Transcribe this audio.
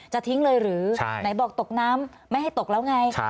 ทิ้งเลยหรือไหนบอกตกน้ำไม่ให้ตกแล้วไง